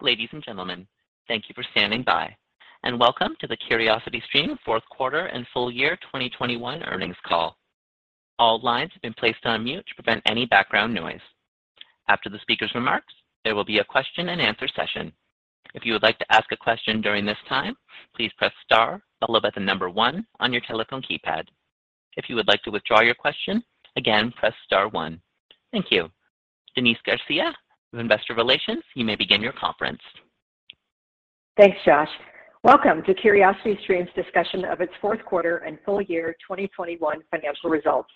Ladies and gentlemen, thank you for standing by, and welcome to the CuriosityStream fourth quarter and full year 2021 earnings call. All lines have been placed on mute to prevent any background noise. After the speaker's remarks, there will be a question-and-answer session. If you would like to ask a question during this time, please press star followed by the number one on your telephone keypad. If you would like to withdraw your question, again, press star one. Thank you. Denise Garcia with Investor Relations, you may begin your conference. Thanks, Josh. Welcome to CuriosityStream's discussion of its fourth quarter and full year 2021 financial results.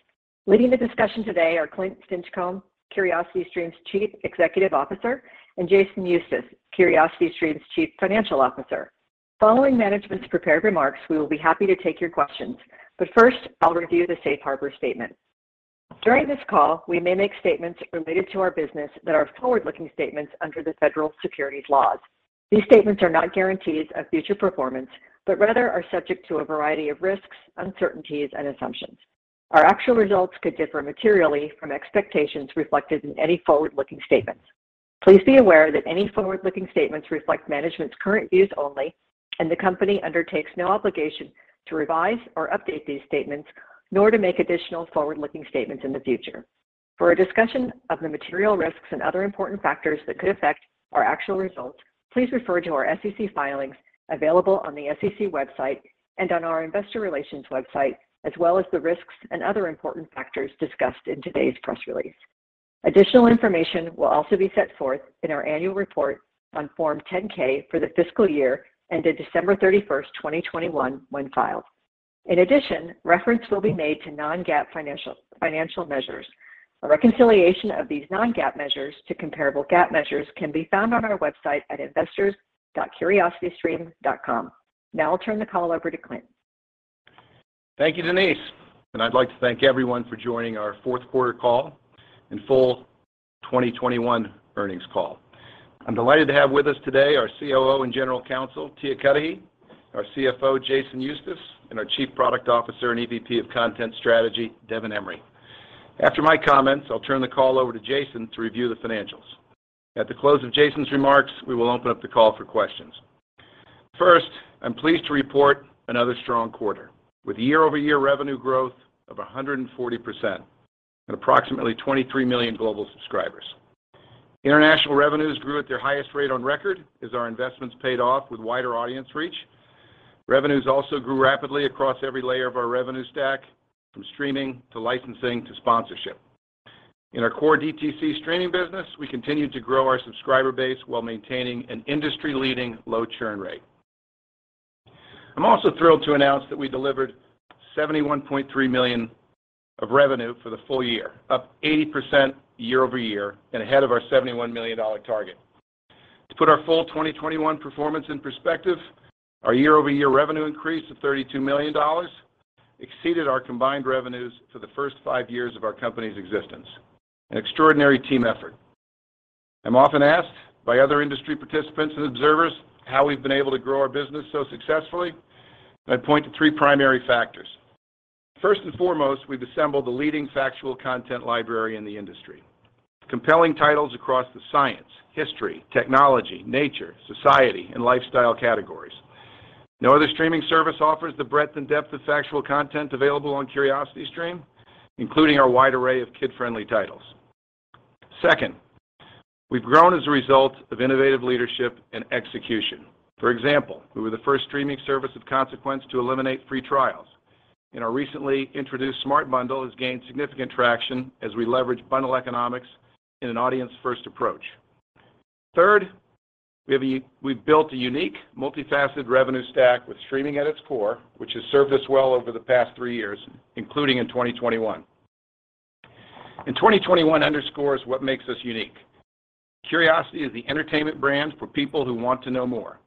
Leading the discussion today are Clint Stinchcomb, CuriosityStream's Chief Executive Officer, and Jason Eustace, CuriosityStream's Chief Financial Officer. Following management's prepared remarks, we will be happy to take your questions. First, I'll review the Safe Harbor statement. During this call, we may make statements related to our business that are forward-looking statements under the federal securities laws. These statements are not guarantees of future performance, but rather are subject to a variety of risks, uncertainties, and assumptions. Our actual results could differ materially from expectations reflected in any forward-looking statements. Please be aware that any forward-looking statements reflect management's current views only, and the company undertakes no obligation to revise or update these statements, nor to make additional forward-looking statements in the future. For a discussion of the material risks and other important factors that could affect our actual results, please refer to our SEC filings available on the SEC website and on our investor relations website, as well as the risks and other important factors discussed in today's press release. Additional information will also be set forth in our annual report on Form 10-K for the fiscal year ended December 31st, 2021 when filed. In addition, reference will be made to non-GAAP financial measures. A reconciliation of these non-GAAP measures to comparable GAAP measures can be found on our website at investors.curiositystream.com. Now I'll turn the call over to Clint. Thank you, Denise. I'd like to thank everyone for joining our fourth quarter call and full 2021 earnings call. I'm delighted to have with us today our COO and General Counsel, Tia Cudahy, our CFO, Jason Eustace, and our Chief Product Officer and EVP of Content Strategy, Devin Emery. After my comments, I'll turn the call over to Jason to review the financials. At the close of Jason's remarks, we will open up the call for questions. First, I'm pleased to report another strong quarter with year-over-year revenue growth of 140% and approximately 23 million global subscribers. International revenues grew at their highest rate on record as our investments paid off with wider audience reach. Revenues also grew rapidly across every layer of our revenue stack, from streaming to licensing to sponsorship. In our core DTC streaming business, we continued to grow our subscriber base while maintaining an industry-leading low churn rate. I'm also thrilled to announce that we delivered $71.3 million of revenue for the full year, up 80% year-over-year and ahead of our $71 million target. To put our full 2021 performance in perspective, our year-over-year revenue increase of $32 million exceeded our combined revenues for the first five years of our company's existence. An extraordinary team effort. I'm often asked by other industry participants and observers how we've been able to grow our business so successfully, and I point to three primary factors. First and foremost, we've assembled the leading factual content library in the industry. Compelling titles across the science, history, technology, nature, society, and lifestyle categories. No other streaming service offers the breadth and depth of factual content available on CuriosityStream, including our wide array of kid-friendly titles. Second, we've grown as a result of innovative leadership and execution. For example, we were the first streaming service of consequence to eliminate free trials, and our recently introduced Smart Bundle has gained significant traction as we leverage bundle economics in an audience-first approach. Third, we've built a unique, multifaceted revenue stack with streaming at its core, which has served us well over the past three years, including in 2021. 2021 underscores what makes us unique. Curiosity is the entertainment brand for people who want to know more.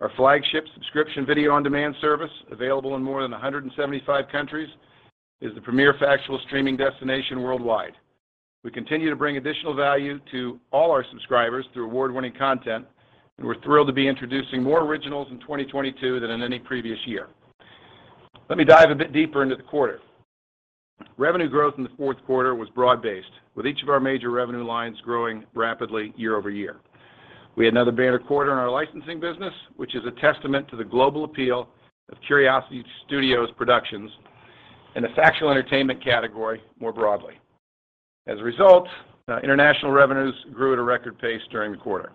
Our flagship subscription video on demand service, available in more than 175 countries, is the premier factual streaming destination worldwide. We continue to bring additional value to all our subscribers through award-winning content, and we're thrilled to be introducing more originals in 2022 than in any previous year. Let me dive a bit deeper into the quarter. Revenue growth in the fourth quarter was broad-based, with each of our major revenue lines growing rapidly year-over-year. We had another banner quarter in our licensing business, which is a testament to the global appeal of Curiosity Studios' productions and the factual entertainment category more broadly. As a result, international revenues grew at a record pace during the quarter.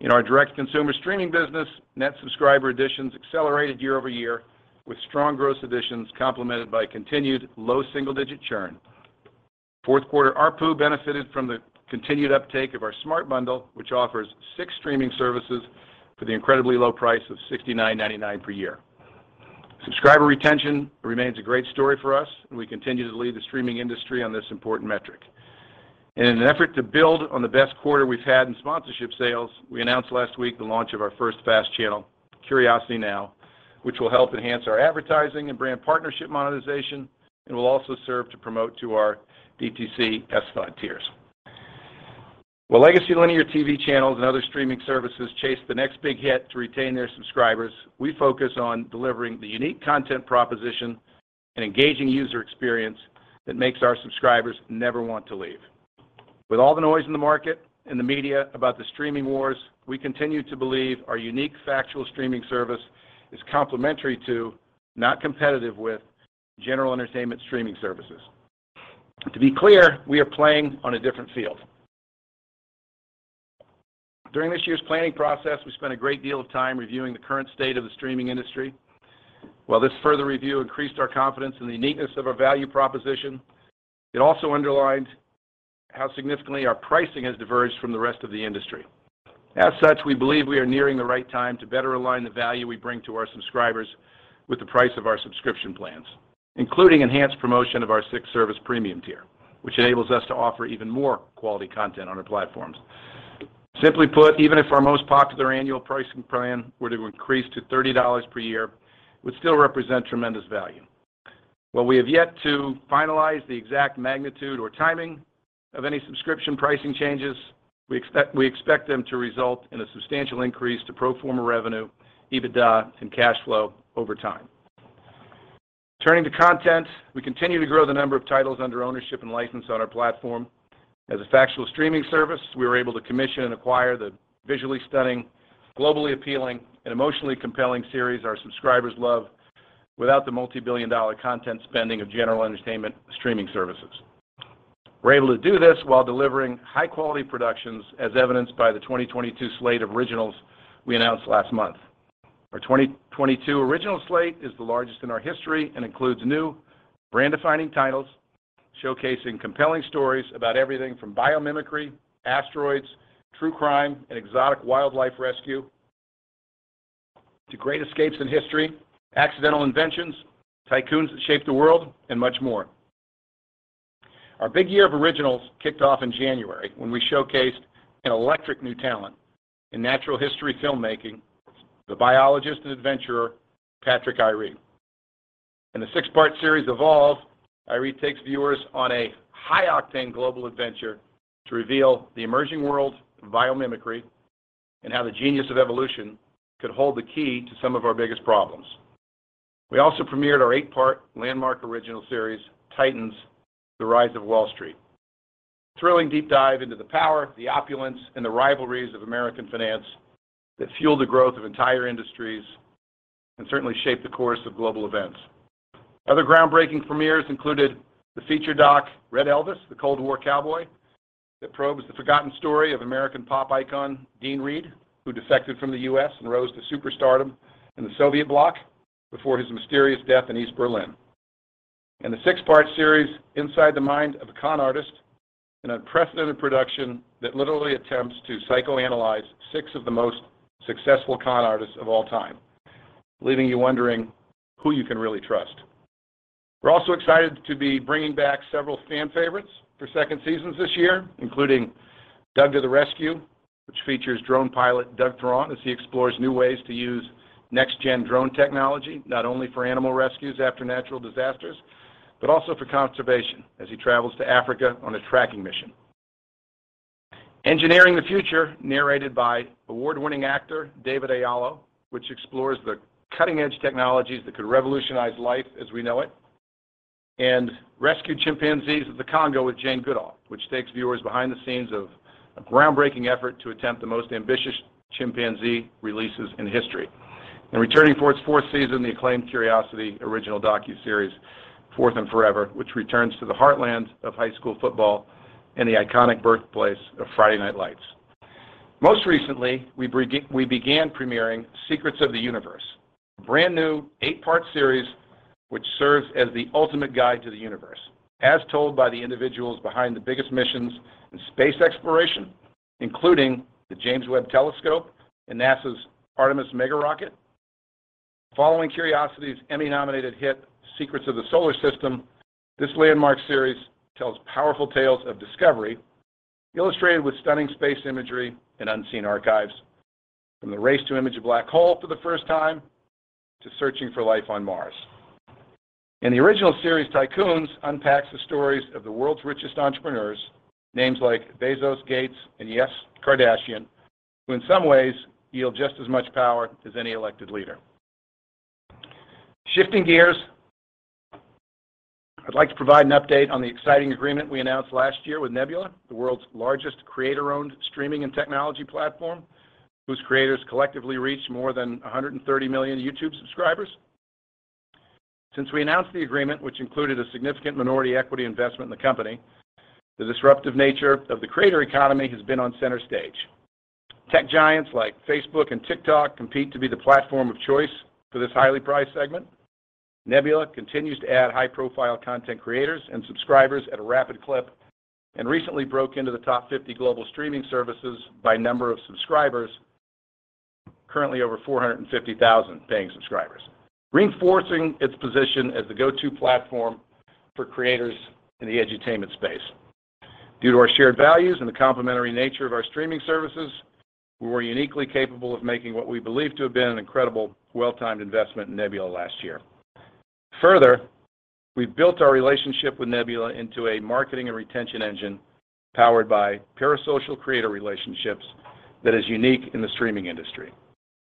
In our direct consumer streaming business, net subscriber additions accelerated year-over-year with strong gross additions complemented by continued low single-digit churn. Fourth quarter ARPU benefited from the continued uptake of our Smart Bundle, which offers six streaming services for the incredibly low price of $69.99 per year. Subscriber retention remains a great story for us, and we continue to lead the streaming industry on this important metric. In an effort to build on the best quarter we've had in sponsorship sales, we announced last week the launch of our first FAST channel, Curiosity Now, which will help enhance our advertising and brand partnership monetization and will also serve to promote to our DTC SVOD tiers. While legacy linear TV channels and other streaming services chase the next big hit to retain their subscribers, we focus on delivering the unique content proposition. An engaging user experience that makes our subscribers never want to leave. With all the noise in the market and the media about the streaming wars, we continue to believe our unique factual streaming service is complementary to, not competitive with, general entertainment streaming services. To be clear, we are playing on a different field. During this year's planning process, we spent a great deal of time reviewing the current state of the streaming industry. While this further review increased our confidence in the uniqueness of our value proposition, it also underlined how significantly our pricing has diverged from the rest of the industry. As such, we believe we are nearing the right time to better align the value we bring to our subscribers with the price of our subscription plans, including enhanced promotion of our six-service premium tier, which enables us to offer even more quality content on our platforms. Simply put, even if our most popular annual pricing plan were to increase to $30 per year, it would still represent tremendous value. While we have yet to finalize the exact magnitude or timing of any subscription pricing changes, we expect them to result in a substantial increase to pro forma revenue, EBITDA, and cash flow over time. Turning to content, we continue to grow the number of titles under ownership and license on our platform. As a factual streaming service, we were able to commission and acquire the visually stunning, globally appealing, and emotionally compelling series our subscribers love without the multibillion-dollar content spending of general entertainment streaming services. We're able to do this while delivering high-quality productions, as evidenced by the 2022 slate of originals we announced last month. Our 2022 original slate is the largest in our history and includes new brand-defining titles showcasing compelling stories about everything from biomimicry, asteroids, true crime, and exotic wildlife rescue to Great Escapes in History, Accidental Inventions, Tycoons that shaped the world, and much more. Our big year of originals kicked off in January when we showcased an electric new talent in natural history filmmaking, the biologist and adventurer Patrick Aryee. In the six-part series Evolve, Aryee takes viewers on a high-octane global adventure to reveal the emerging world of biomimicry and how the genius of evolution could hold the key to some of our biggest problems. We also premiered our eight-part landmark original series, Titans: The Rise of Wall Street, a thrilling deep dive into the power, the opulence, and the rivalries of American finance that fueled the growth of entire industries and certainly shaped the course of global events. Other groundbreaking premieres included the feature doc Red Elvis: The Cold War Cowboy that probes the forgotten story of American pop icon Dean Reed, who defected from the US and rose to superstardom in the Soviet bloc before his mysterious death in East Berlin. In the six-part series, Inside the Mind of a Con Artist, an unprecedented production that literally attempts to psychoanalyze six of the most successful con artists of all time, leaving you wondering who you can really trust. We're also excited to be bringing back several fan favorites for second seasons this year, including Doug to the Rescue, which features drone pilot Doug Thron as he explores new ways to use next-gen drone technology not only for animal rescues after natural disasters, but also for conservation as he travels to Africa on a tracking mission. Engineering the Future, narrated by award-winning actor David Oyelowo, which explores the cutting-edge technologies that could revolutionize life as we know it. Rescued Chimpanzees of the Congo with Jane Goodall, which takes viewers behind the scenes of a groundbreaking effort to attempt the most ambitious chimpanzee releases in history. Returning for its fourth season, the acclaimed CuriosityStream original docuseries, 4th and Forever, which returns to the heartland of high school football and the iconic birthplace of Friday Night Lights. Most recently, we began premiering Secrets of the Universe, a brand-new eight-part series which serves as the ultimate guide to the universe, as told by the individuals behind the biggest missions in space exploration, including the James Webb Telescope and NASA's Artemis mega rocket. Following CuriosityStream's Emmy-nominated hit, Secrets of the Solar System, this landmark series tells powerful tales of discovery illustrated with stunning space imagery and unseen archives, from the race to image a black hole for the first time to searching for life on Mars. The original series, Tycoons, unpacks the stories of the world's richest entrepreneurs, names like Bezos, Gates, and yes, Kardashian, who in some ways yield just as much power as any elected leader. Shifting gears, I'd like to provide an update on the exciting agreement we announced last year with Nebula, the world's largest creator-owned streaming and technology platform, whose creators collectively reach more than 130 million YouTube subscribers. Since we announced the agreement, which included a significant minority equity investment in the company, the disruptive nature of the creator economy has been on center stage. Tech giants like Facebook and TikTok compete to be the platform of choice for this highly prized segment. Nebula continues to add high-profile content creators and subscribers at a rapid clip and recently broke into the top 50 global streaming services by number of subscribers, currently over 450,000 paying subscribers, reinforcing its position as the go-to platform for creators in the edutainment space. Due to our shared values and the complementary nature of our streaming services, we were uniquely capable of making what we believe to have been an incredibly well-timed investment in Nebula last year. Further, we've built our relationship with Nebula into a marketing and retention engine powered by parasocial creator relationships that is unique in the streaming industry.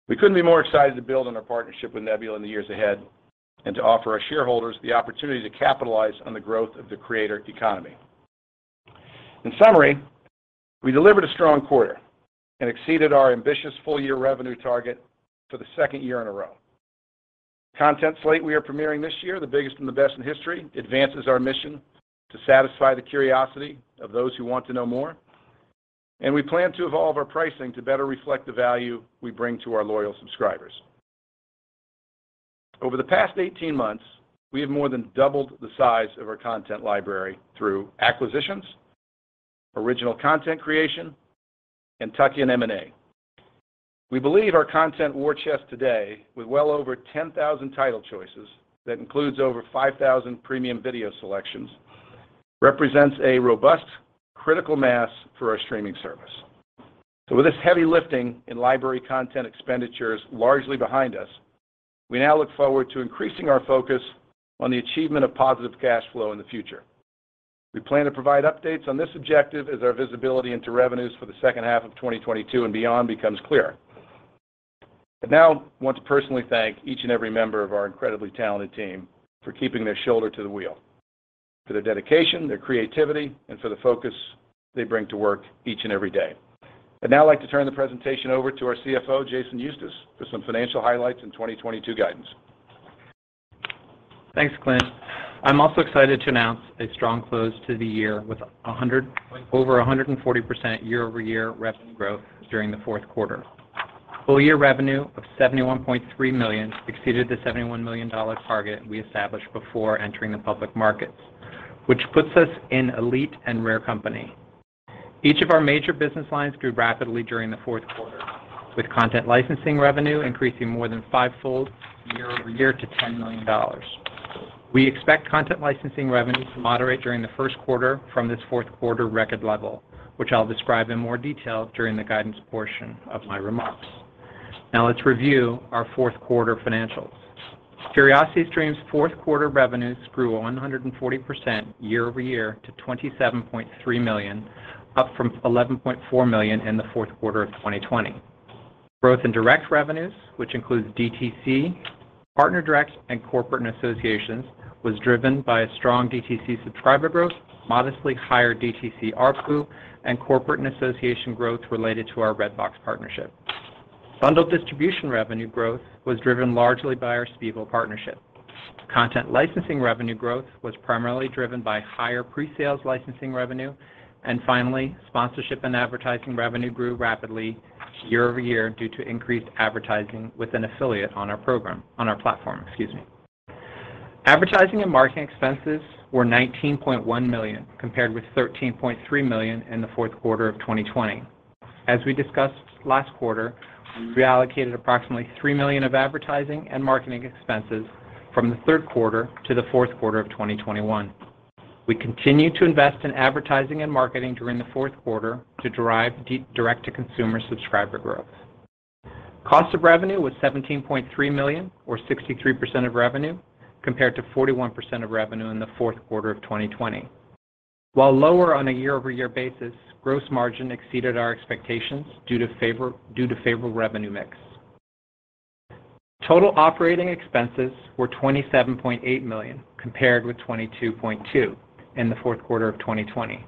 We couldn't be more excited to build on our partnership with Nebula in the years ahead and to offer our shareholders the opportunity to capitalize on the growth of the creator economy. In summary, we delivered a strong quarter and exceeded our ambitious full-year revenue target for the second year in a row. The content slate we are premiering this year, the biggest and the best in history, advances our mission to satisfy the curiosity of those who want to know more. We plan to evolve our pricing to better reflect the value we bring to our loyal subscribers. Over the past 18 months, we have more than doubled the size of our content library through acquisitions, original content creation, and tuck-in M&A. We believe our content war chest today, with well over 10,000 title choices, that includes over 5,000 premium video selections, represents a robust critical mass for our streaming service. With this heavy lifting in library content expenditures largely behind us, we now look forward to increasing our focus on the achievement of positive cash flow in the future. We plan to provide updates on this objective as our visibility into revenues for the second half of 2022 and beyond becomes clearer. I now want to personally thank each and every member of our incredibly talented team for keeping their shoulder to the wheel, for their dedication, their creativity, and for the focus they bring to work each and every day. I'd now like to turn the presentation over to our CFO, Jason Eustace, for some financial highlights and 2022 guidance. Thanks, Clint. I'm also excited to announce a strong close to the year with over 140% year-over-year rev growth during the fourth quarter. Full year revenue of $71.3 million exceeded the $71 million target we established before entering the public markets, which puts us in elite and rare company. Each of our major business lines grew rapidly during the fourth quarter, with content licensing revenue increasing more than five-fold year-over-year to $10 million. We expect content licensing revenue to moderate during the first quarter from this fourth quarter record level, which I'll describe in more detail during the guidance portion of my remarks. Now let's review our fourth quarter financials. CuriosityStream's fourth quarter revenues grew 140% year-over-year to $27.3 million, up from $11.4 million in the fourth quarter of 2020. Growth in direct revenues, which includes DTC, partner direct, and corporate and associations, was driven by a strong DTC subscriber growth, modestly higher DTC ARPU, and corporate and association growth related to our Redbox partnership. Bundled distribution revenue growth was driven largely by our Spiegel partnership. Content licensing revenue growth was primarily driven by higher pre-sales licensing revenue. Finally, sponsorship and advertising revenue grew rapidly year-over-year due to increased advertising with an affiliate on our platform, excuse me. Advertising and marketing expenses were $19.1 million, compared with $13.3 million in the fourth quarter of 2020. As we discussed last quarter, we allocated approximately $3 million of advertising and marketing expenses from the third quarter to the fourth quarter of 2021. We continued to invest in advertising and marketing during the fourth quarter to drive direct-to-consumer subscriber growth. Cost of revenue was $17.3 million or 63% of revenue, compared to 41% of revenue in the fourth quarter of 2020. While lower on a year-over-year basis, gross margin exceeded our expectations due to favorable revenue mix. Total operating expenses were $27.8 million, compared with $22.2 million in the fourth quarter of 2020.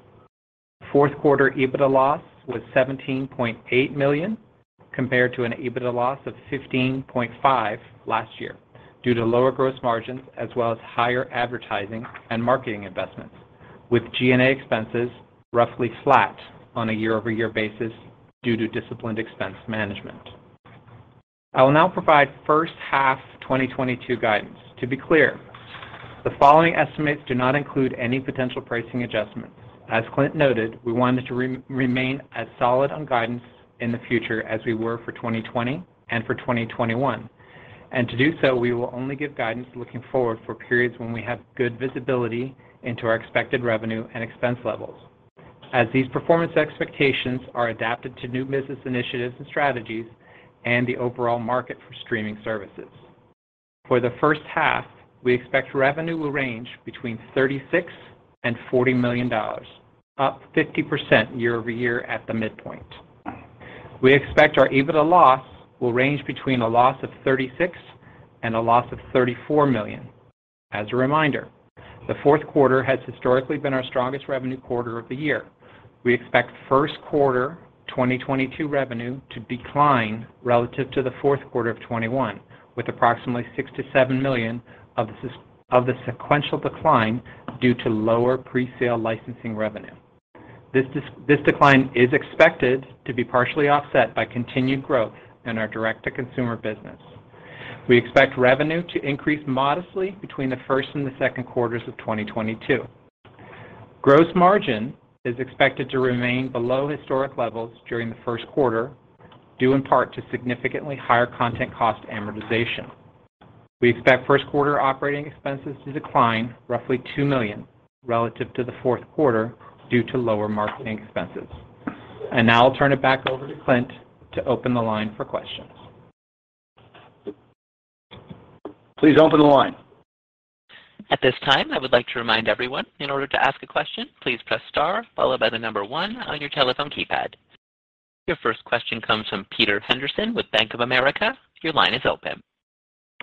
Fourth quarter EBITDA loss was $17.8 million, compared to an EBITDA loss of $15.5 million last year due to lower gross margins as well as higher advertising and marketing investments, with G&A expenses roughly flat on a year-over-year basis due to disciplined expense management. I will now provide first half 2022 guidance. To be clear, the following estimates do not include any potential pricing adjustments. As Clint noted, we wanted to remain as solid on guidance in the future as we were for 2020 and for 2021. To do so, we will only give guidance looking forward for periods when we have good visibility into our expected revenue and expense levels, as these performance expectations are adapted to new business initiatives and strategies and the overall market for streaming services. For the first half, we expect revenue will range between $36 million-$40 million, up 50% year-over-year at the midpoint. We expect our EBITDA loss will range between a loss of $36 million and a loss of $34 million. As a reminder, the fourth quarter has historically been our strongest revenue quarter of the year. We expect first quarter 2022 revenue to decline relative to the fourth quarter of 2021, with approximately $6 million-$7 million of the sequential decline due to lower presale licensing revenue. This decline is expected to be partially offset by continued growth in our direct-to-consumer business. We expect revenue to increase modestly between the first and the second quarters of 2022. Gross margin is expected to remain below historic levels during the first quarter, due in part to significantly higher content cost amortization. We expect first quarter operating expenses to decline roughly $2 million relative to the fourth quarter due to lower marketing expenses. Now I'll turn it back over to Clint to open the line for questions. Please open the line. At this time, I would like to remind everyone, in order to ask a question, please press star followed by the number one on your telephone keypad. Your first question comes from Peter Henderson with Bank of America. Your line is open.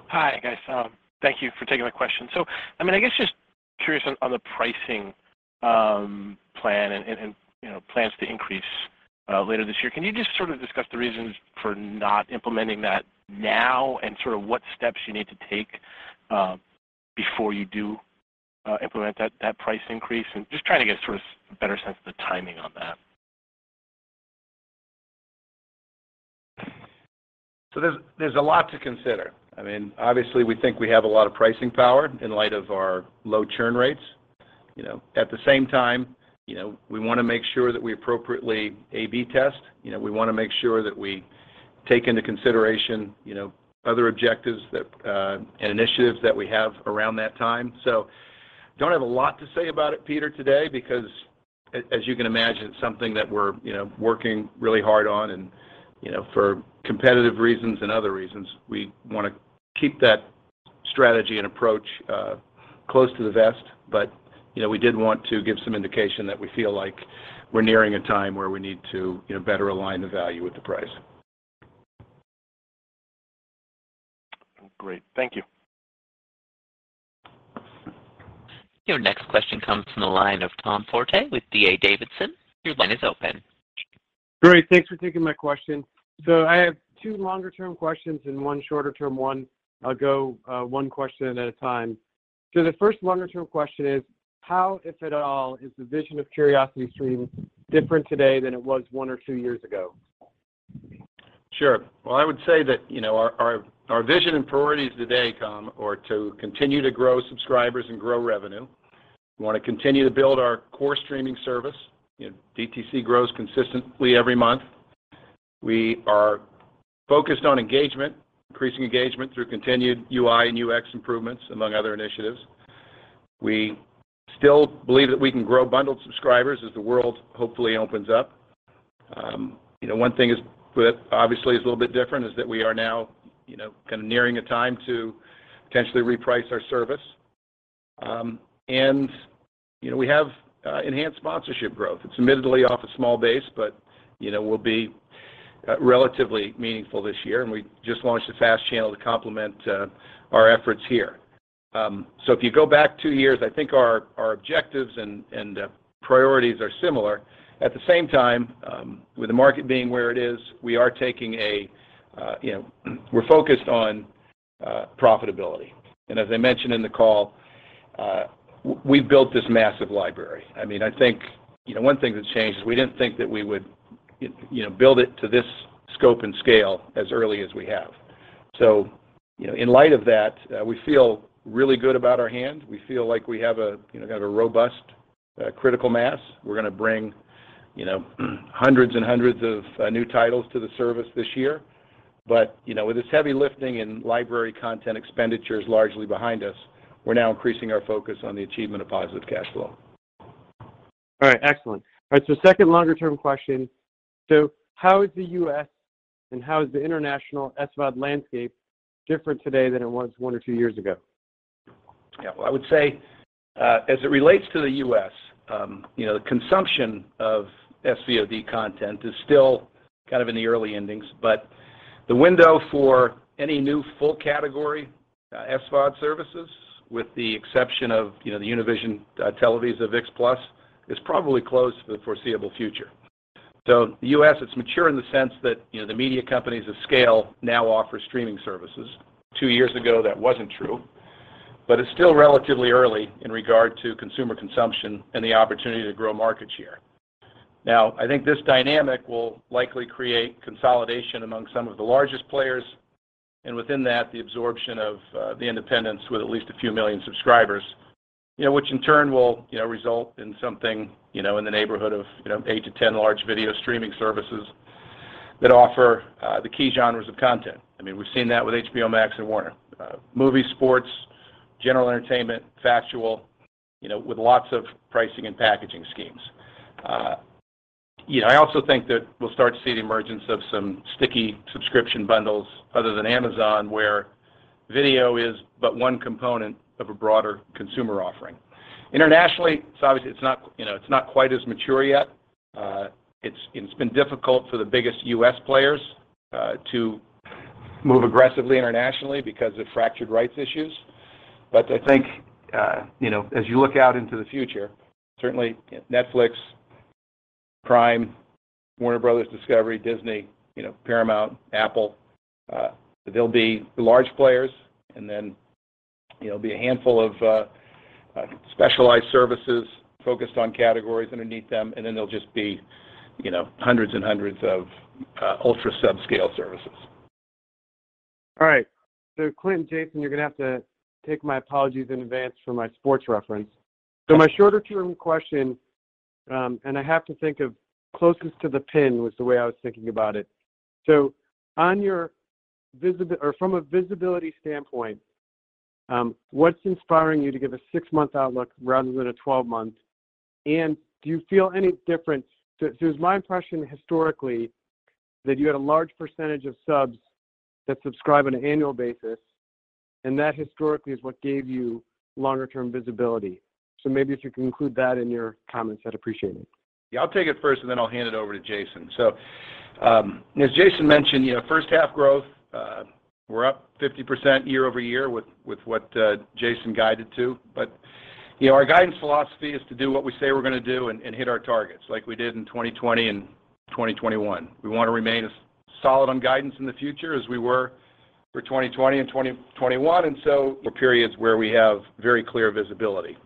Hi, guys. Thank you for taking my question. I mean, I guess just curious on the pricing plan and you know plans to increase later this year. Can you just sort of discuss the reasons for not implementing that now and sort of what steps you need to take before you do implement that price increase? Just trying to get sort of a better sense of the timing on that. There's a lot to consider. I mean, obviously we think we have a lot of pricing power in light of our low churn rates. You know, at the same time, you know, we wanna make sure that we appropriately A/B test. You know, we wanna make sure that we take into consideration, you know, other objectives that, and initiatives that we have around that time. Don't have a lot to say about it, Peter, today because as you can imagine, it's something that we're, you know, working really hard on and, you know, for competitive reasons and other reasons, we wanna keep that strategy and approach, close to the vest. You know, we did want to give some indication that we feel like we're nearing a time where we need to, you know, better align the value with the price. Great. Thank you. Your next question comes from the line of Tom Forte with D.A. Davidson. Your line is open. Great. Thanks for taking my question. I have two longer term questions and one shorter term one. I'll go, one question at a time. The first longer term question is: how, if at all, is the vision of CuriosityStream different today than it was one or two years ago? Sure. Well, I would say that, you know, our vision and priorities today, Tom, are to continue to grow subscribers and grow revenue. We wanna continue to build our core streaming service. You know, DTC grows consistently every month. We are focused on engagement, increasing engagement through continued UI and UX improvements among other initiatives. We still believe that we can grow bundled subscribers as the world hopefully opens up. You know, one thing that obviously is a little bit different is that we are now, you know, kind of nearing a time to potentially reprice our service. You know, we have enhanced sponsorship growth. It's admittedly off a small base, but, you know, we'll be relatively meaningful this year, and we just launched the FAST channel to complement our efforts here. If you go back two years, I think our objectives and priorities are similar. At the same time, with the market being where it is, we are taking a, you know, we're focused on profitability. As I mentioned in the call, we've built this massive library. I mean, I think, you know, one thing that's changed is we didn't think that we would, you know, build it to this scope and scale as early as we have. In light of that, we feel really good about our hands. We feel like we have a, you know, kind of a robust, critical mass. We're gonna bring, you know, hundreds and hundreds of new titles to the service this year. You know, with this heavy lifting and library content expenditures largely behind us, we're now increasing our focus on the achievement of positive cash flow. All right. Excellent. All right, second longer term question: how is the US and how is the international SVOD landscape different today than it was one or two years ago? Yeah. Well, I would say, as it relates to the US, you know, the consumption of SVOD content is still kind of in the early innings, but the window for any new full category, SVOD services with the exception of, you know, the Univision, Televisa, ViX+, is probably closed for the foreseeable future. The US, it's mature in the sense that, you know, the media companies of scale now offer streaming services. Two years ago, that wasn't true, but it's still relatively early in regard to consumer consumption and the opportunity to grow market share. Now, I think this dynamic will likely create consolidation among some of the largest players, and within that, the absorption of the independents with at least a few million subscribers, you know, which in turn will, you know, result in something, you know, in the neighborhood of, you know, eight-10 large video streaming services that offer the key genres of content. I mean, we've seen that with HBO Max and Warner. Movie, sports, general entertainment, factual, you know, with lots of pricing and packaging schemes. You know, I also think that we'll start to see the emergence of some sticky subscription bundles other than Amazon, where video is but one component of a broader consumer offering. Internationally, it's obviously not, you know, it's not quite as mature yet. It's been difficult for the biggest US players to move aggressively internationally because of fractured rights issues. I think, you know, as you look out into the future, certainly Netflix, Prime, Warner Bros. Discovery, Disney, you know, Paramount, Apple, there'll be large players and then, you know, be a handful of specialized services focused on categories underneath them, and then they'll just be, you know, hundreds and hundreds of ultra subscale services. All right. Clint and Jason, you're gonna have to take my apologies in advance for my sports reference. My shorter term question, and I have to think of closest to the pin was the way I was thinking about it. From a visibility standpoint, what's inspiring you to give a six-month outlook rather than a twelve-month? And do you feel any difference, so it was my impression historically that you had a large percentage of subs that subscribe on an annual basis, and that historically is what gave you longer term visibility. Maybe if you can include that in your comments, I'd appreciate it. Yeah, I'll take it first, and then I'll hand it over to Jason. As Jason mentioned, you know, first half growth, we're up 50% year-over-year with what Jason guided to. You know, our guidance philosophy is to do what we say we're gonna do and hit our targets like we did in 2020 and 2021. We wanna remain as solid on guidance in the future as we were for 2020 and 2021, and so for periods where we have very clear visibility.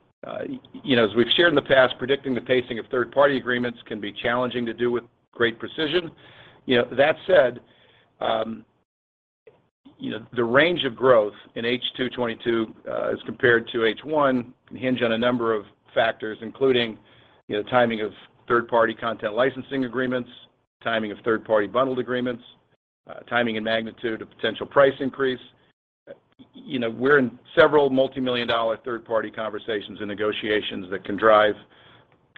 You know, as we've shared in the past, predicting the pacing of third-party agreements can be challenging to do with great precision. You know, that said, you know, the range of growth in H2 2022, as compared to H1 can hinge on a number of factors, including, you know, timing of third-party content licensing agreements, timing of third-party bundled agreements, timing and magnitude of potential price increase. You know, we're in several multi-million dollar third-party conversations and negotiations that can drive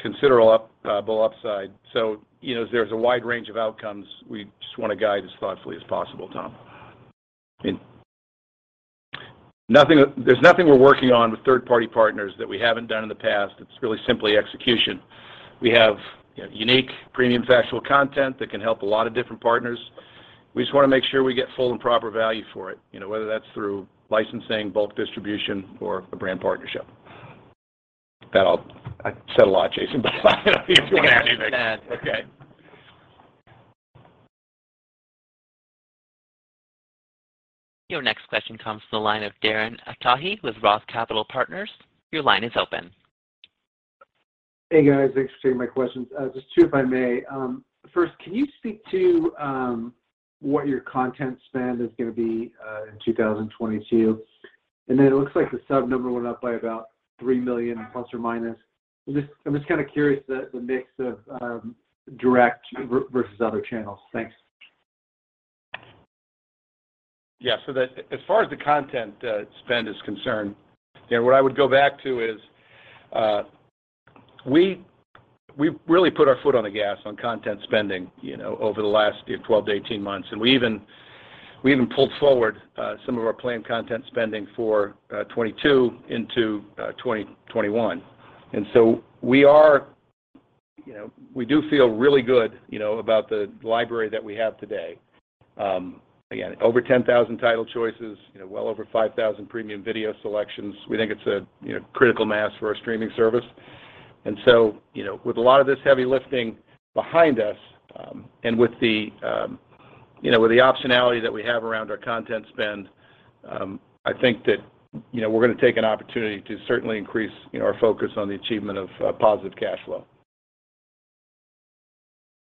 considerable upside. So, you know, there's a wide range of outcomes. We just wanna guide as thoughtfully as possible, Tom. There's nothing we're working on with third-party partners that we haven't done in the past. It's really simply execution. We have, you know, unique premium factual content that can help a lot of different partners. We just wanna make sure we get full and proper value for it, you know, whether that's through licensing, bulk distribution, or a brand partnership. That all. I said a lot, Jason, but I don't know if you have anything to add. I don't have anything to add. Okay. Your next question comes from the line of Darren Aftahi with ROTH Capital Partners. Your line is open. Hey, guys. Thanks for taking my questions. Just two, if I may. First, can you speak to what your content spend is gonna be in 2022? It looks like the sub number went up by about ±3 million. I'm just kinda curious about the mix of direct versus other channels. Thanks. Yeah. As far as the content spend is concerned, you know, what I would go back to is, we really put our foot on the gas on content spending, you know, over the last 12-18 months, and we even pulled forward some of our planned content spending for 2022 into 2021. We do feel really good, you know, about the library that we have today. Again, over 10,000 title choices, you know, well over 5,000 premium video selections. We think it's a critical mass for our streaming service. You know, with a lot of this heavy lifting behind us, and with the optionality that we have around our content spend, I think that, you know, we're gonna take an opportunity to certainly increase, you know, our focus on the achievement of positive cash flow.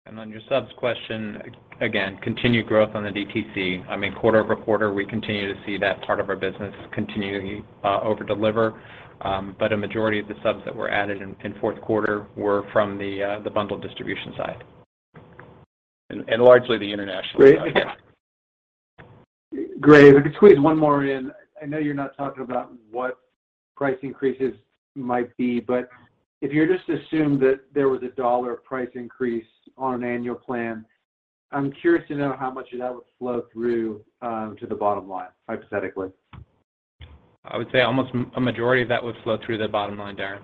On your subs question, again, continued growth on the DTC. I mean, quarter-over-quarter, we continue to see that part of our business continuing to over-deliver. But a majority of the subs that were added in fourth quarter were from the bundle distribution side and largely the international side. Great. If I could squeeze one more in. I know you're not talking about what price increases might be, but if you're just to assume that there was a $1 price increase on an annual plan, I'm curious to know how much of that would flow through to the bottom line, hypothetically. I would say almost a majority of that would flow through the bottom line, Darren.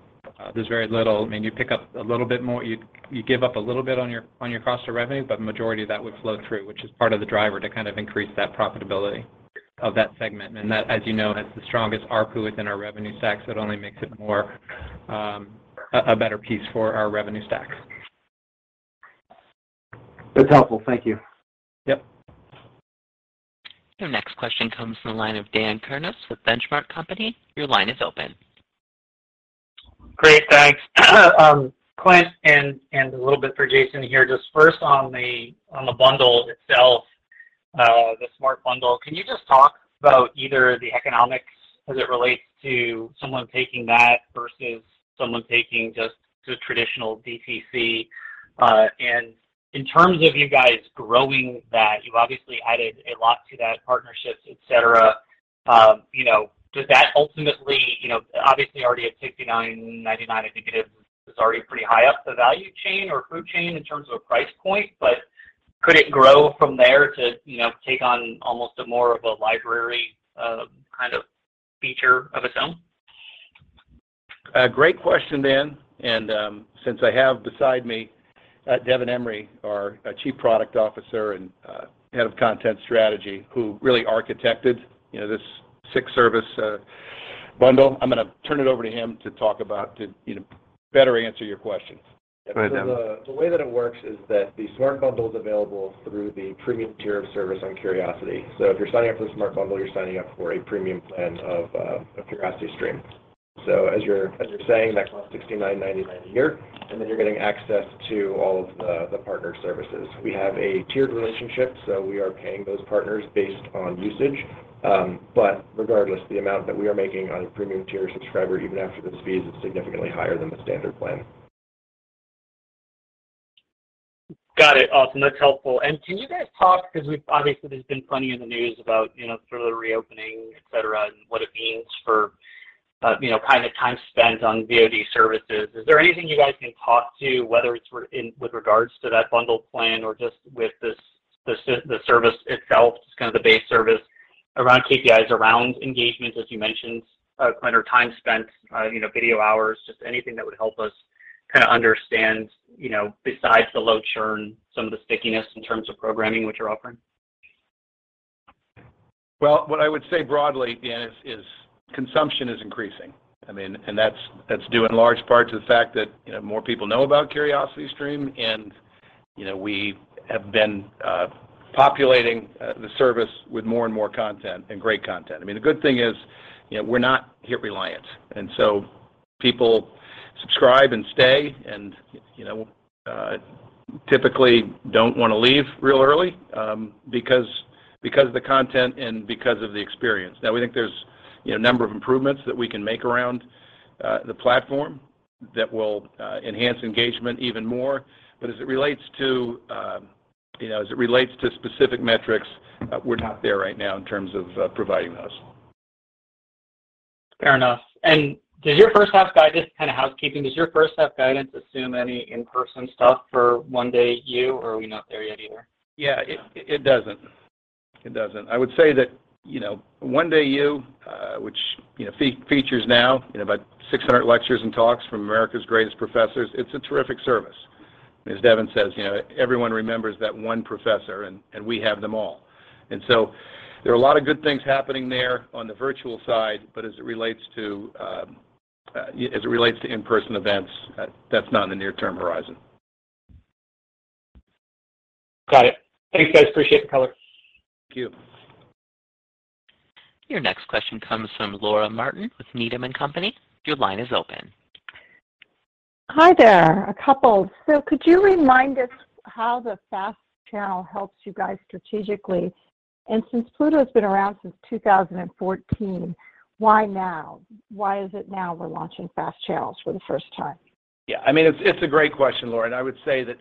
There's very little you give up a little bit on your cost of revenue, but majority of that would flow through, which is part of the driver to kind of increase that profitability of that segment. That, as you know, has the strongest ARPU within our revenue stacks. That only makes it more a better piece for our revenue stacks. That's helpful. Thank you. Yep. Your next question comes from the line of Dan Kurnos with The Benchmark Company. Your line is open. Great. Thanks. Clint, and a little bit for Jason here. Just first on the bundle itself, the Smart Bundle, can you just talk about either the economics as it relates to someone taking that versus someone taking just the traditional DTC? In terms of you guys growing that, you've obviously added a lot to that, partnerships, et cetera. You know, does that ultimately. You know, obviously already at $69.99, I think it is already pretty high up the value chain or food chain in terms of a price point. Could it grow from there to, you know, take on almost a more of a library kind of feature of its own? A great question, Dan. Since I have beside me Devin Emery, our Chief Product Officer and Head of Content Strategy, who really architected, you know, this six-service bundle, I'm gonna turn it over to him to talk about, you know, better answer your question. Go ahead, Devin. The way that it works is that the Smart Bundle is available through the premium tier of service on Curiosity. If you're signing up for the Smart Bundle, you're signing up for a premium plan of CuriosityStream. As you're saying, that costs $69.99 a year, and then you're getting access to all of the partner services. We have a tiered relationship, so we are paying those partners based on usage. Regardless, the amount that we are making on a premium tier subscriber, even after those fees, is significantly higher than the standard plan. Got it. Awesome. That's helpful. Can you guys talk, 'cause we've obviously there's been plenty in the news about, you know, sort of the reopening, et cetera, and what it means for you know, kind of time spent on VOD services, is there anything you guys can talk to, whether it's with regards to that bundled plan or just with this, the service itself, just kind of the base service around KPIs, around engagements, as you mentioned, Clint, or time spent, you know, video hours, just anything that would help us kinda understand, you know, besides the low churn, some of the stickiness in terms of programming which you're offering? Well, what I would say broadly is consumption is increasing. I mean, and that's due in large part to the fact that, you know, more people know about CuriosityStream, and, you know, we have been populating the service with more and more content and great content. I mean, the good thing is, you know, we're not hit-reliant, and so people subscribe and stay and, you know, typically don't wanna leave real early, because of the content and because of the experience. Now, we think there's, you know, a number of improvements that we can make around the platform that will enhance engagement even more. As it relates to specific metrics, we're not there right now in terms of providing those. Fair enough. Does your first half guidance, kind of housekeeping, assume any in-person stuff for One Day U, or are we not there yet either? Yeah. It doesn't. I would say that, you know, One Day U, which, you know, features now, you know, about 600 lectures and talks from America's greatest professors. It's a terrific service. As Devin says, you know, everyone remembers that one professor and we have them all. There are a lot of good things happening there on the virtual side, but as it relates to in-person events, that's not in the near-term horizon. Got it. Thanks, guys. Appreciate the color. Thank you. Your next question comes from Laura Martin with Needham & Company. Your line is open. Hi there. A couple. Could you remind us how the FAST channel helps you guys strategically? Since Pluto's been around since 2014, why now? Why is it now we're launching FAST channels for the first time? Yeah, I mean, it's a great question, Laura, and I would say that,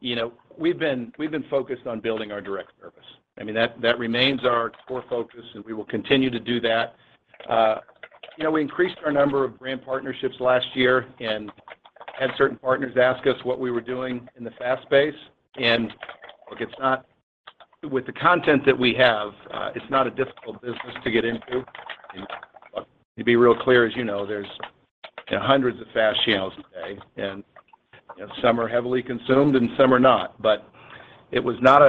you know, we've been focused on building our direct service. I mean, that remains our core focus, and we will continue to do that. You know, we increased our number of brand partnerships last year and had certain partners ask us what we were doing in the FAST space. Look, it's not with the content that we have, it's not a difficult business to get into. To be real clear, as you know, there's, you know, hundreds of FAST channels today, and, you know, some are heavily consumed and some are not. It was not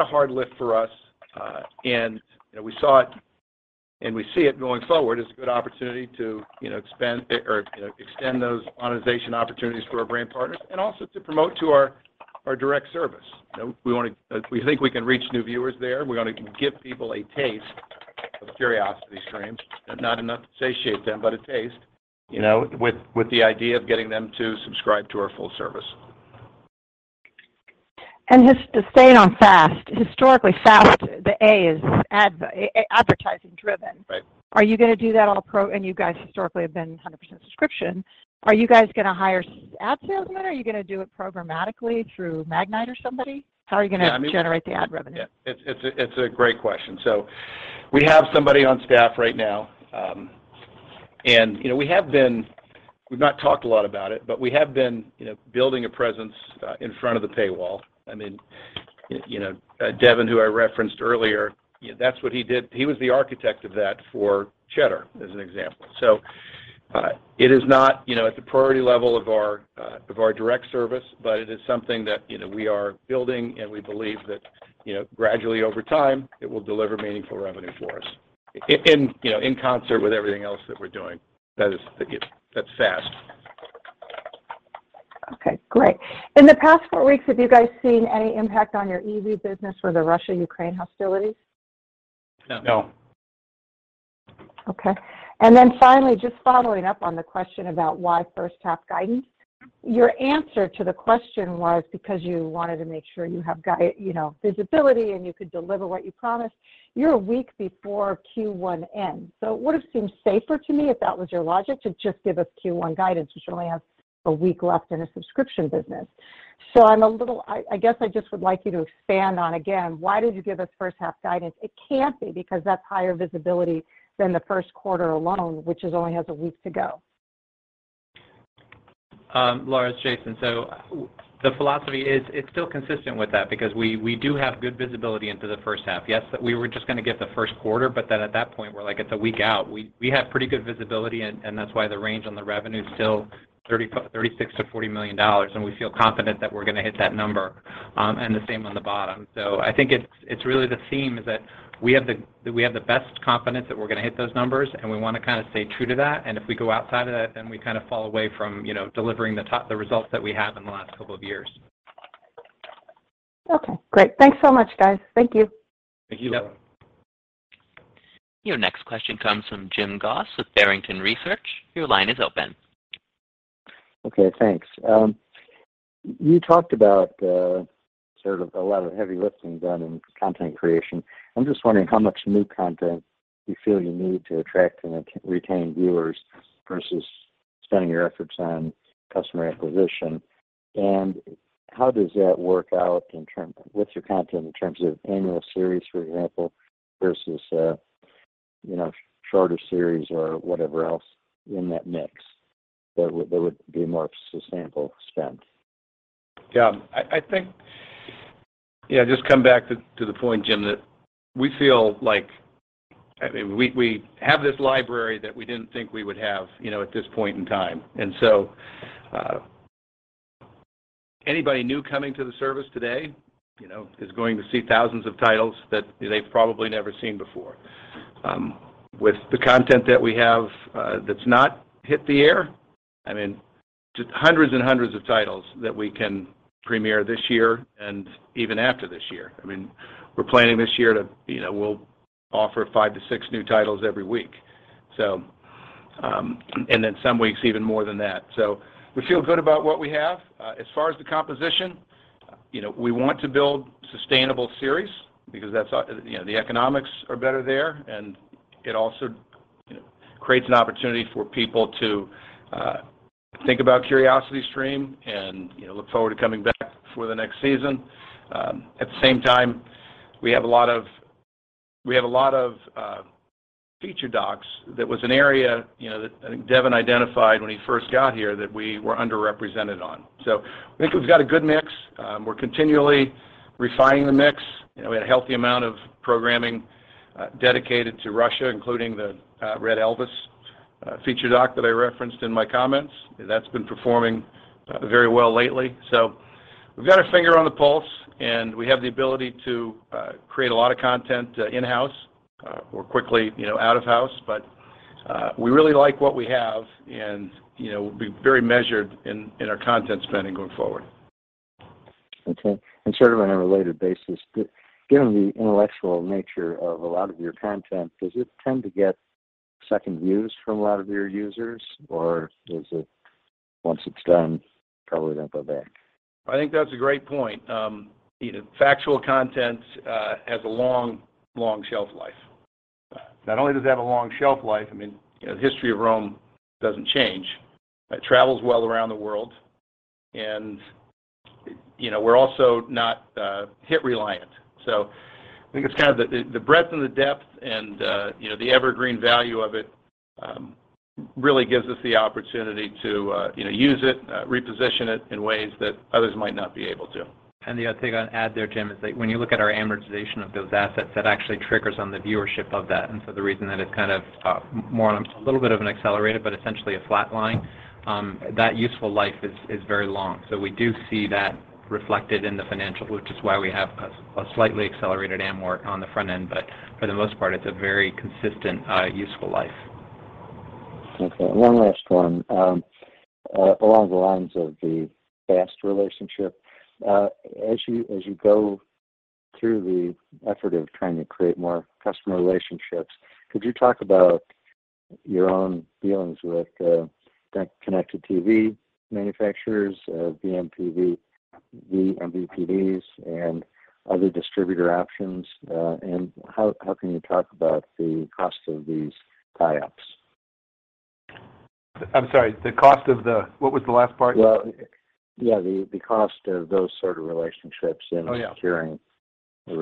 a hard lift for us. You know, we saw it, and we see it going forward as a good opportunity to, you know, expand or, you know, extend those monetization opportunities for our brand partners and also to promote to our direct service. You know, we think we can reach new viewers there. We wanna give people a taste of CuriosityStream, not enough to satiate them, but a taste, you know, with the idea of getting them to subscribe to our full service. Just staying on FAST. Historically, FAST, the A is advertising driven. Right. Are you gonna do that and you guys historically have been 100% subscription. Are you guys gonna hire ad salesmen? Are you gonna do it programmatically through Magnite or somebody? How are you gonna generate the ad revenue? Yeah. It's a great question. We have somebody on staff right now. You know, we've not talked a lot about it, but we have been you know building a presence in front of the paywall. I mean you know Devin who I referenced earlier that's what he did. He was the architect of that for Cheddar as an example. It is not you know at the priority level of our direct service but it is something that you know we are building and we believe that you know gradually over time it will deliver meaningful revenue for us in you know in concert with everything else that we're doing. That's FAST. Okay. Great. In the past four weeks, have you guys seen any impact on your EV business with the Russia/Ukraine hostilities? No. No. Finally, just following up on the question about why first half guidance. Your answer to the question was because you wanted to make sure you have, you know, visibility and you could deliver what you promised. You're a week before Q1 end. It would've seemed safer to me, if that was your logic, to just give us Q1 guidance, since you only have a week left in a subscription business. I'm a little. I guess I just would like you to expand on, again, why did you give us first half guidance? It can't be because that's higher visibility than the first quarter alone, which only has a week to go. Laura, it's Jason. The philosophy is it's still consistent with that because we do have good visibility into the first half. Yes, we were just gonna give the first quarter, but then at that point we're like, it's a week out. We have pretty good visibility and that's why the range on the revenue is still $36 million-$40 million, and we feel confident that we're gonna hit that number, and the same on the bottom. I think it's really the theme is that we have the best confidence that we're gonna hit those numbers, and we wanna kind of stay true to that, and if we go outside of that, then we kind of fall away from, you know, delivering the results that we have in the last couple of years. Okay. Great. Thanks so much, guys. Thank you. Thank you, Laura. Yep. Your next question comes from Jim Goss with Barrington Research. Your line is open. Okay. Thanks. You talked about sort of a lot of heavy lifting done in content creation. I'm just wondering how much new content you feel you need to attract and retain viewers versus spending your efforts on customer acquisition, and how does that work out in terms of your content in terms of annual series, for example, versus a, you know, shorter series or whatever else in that mix that would be more sustainable spend? Yeah. Just come back to the point, Jim, that we feel like, I mean, we have this library that we didn't think we would have, you know, at this point in time. Anybody new coming to the service today, you know, is going to see thousands of titles that they've probably never seen before. With the content that we have, that's not hit the air, I mean, just hundreds and hundreds of titles that we can premiere this year and even after this year. I mean, we're planning this year to, you know, we'll offer five-six new titles every week. And then some weeks even more than that. We feel good about what we have. As far as the composition, you know, we want to build sustainable series because that's, you know, the economics are better there, and it also, you know, creates an opportunity for people to think about CuriosityStream and, you know, look forward to coming back for the next season. At the same time, we have a lot of feature docs. That was an area, you know, that I think Devin identified when he first got here that we were underrepresented on. So I think we've got a good mix. We're continually refining the mix. You know, we had a healthy amount of programming dedicated to Russia, including the Red Elvis feature doc that I referenced in my comments. That's been performing very well lately. We've got our finger on the pulse, and we have the ability to create a lot of content in-house or quickly, you know, out of house. But we really like what we have, and you know, we'll be very measured in our content spending going forward. Okay. Sort of on a related basis, given the intellectual nature of a lot of your content, does it tend to get second views from a lot of your users, or is it, once it's done, probably don't go back? I think that's a great point. You know, factual content has a long, long shelf life. Not only does it have a long shelf life, I mean, you know, the history of Rome doesn't change. It travels well around the world, and you know, we're also not hit reliant. I think it's kind of the breadth and the depth and you know, the evergreen value of it really gives us the opportunity to you know, use it, reposition it in ways that others might not be able to. The other thing I'd add there, Jim, is that when you look at our amortization of those assets, that actually triggers on the viewership of that. The reason that it's kind of more on a little bit of an accelerated but essentially a flat line, that useful life is very long. We do see that reflected in the financials, which is why we have a slightly accelerated amort on the front end. For the most part, it's a very consistent useful life. Okay. One last one. Along the lines of the FAST relationship. As you go through the effort of trying to create more customer relationships, could you talk about your own dealings with connected TV manufacturers, vMVPDs, and other distributor options? And how can you talk about the cost of these buyups? I'm sorry. The cost of the? What was the last part? Well, yeah. The cost of those sort of relationships- Oh, yeah. And securing-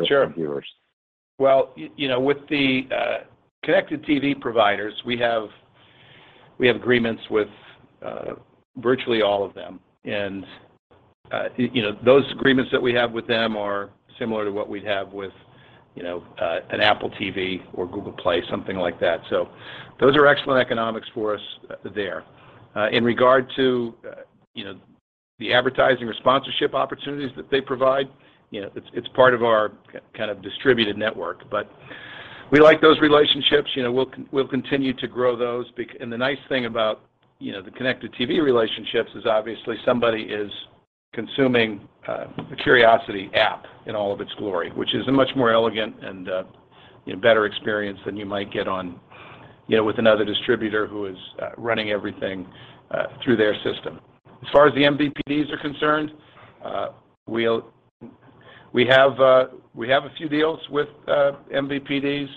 Sure Viewers. Well, you know, with the connected TV providers, we have agreements with virtually all of them. You know, those agreements that we have with them are similar to what we'd have with, you know, an Apple TV or Google Play, something like that. Those are excellent economics for us there. In regard to, you know, the advertising or sponsorship opportunities that they provide, you know, it's part of our kind of distributed network. We like those relationships. You know, we'll continue to grow those. And The nice thing about, you know, the connected TV relationships is obviously somebody is consuming the Curiosity app in all of its glory, which is a much more elegant and, you know, better experience than you might get on, you know, with another distributor who is running everything through their system. As far as the MVPDs are concerned, we have a few deals with MVPDs.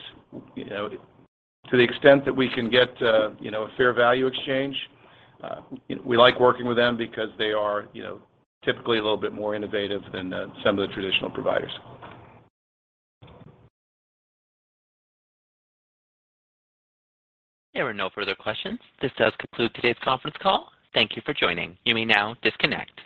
You know, to the extent that we can get, you know, a fair value exchange, we like working with them because they are, you know, typically a little bit more innovative than some of the traditional providers. There are no further questions. This does conclude today's conference call. Thank you for joining. You may now disconnect.